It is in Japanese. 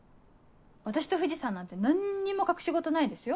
私と藤さんなんて何にも隠し事ないですよ。